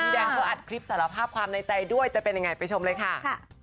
แดงเขาอัดคลิปสารภาพความในใจด้วยจะเป็นยังไงไปชมเลยค่ะ